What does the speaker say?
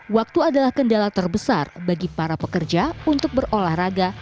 waktu adalah kendala terbesar bagi para pekerja untuk berolahraga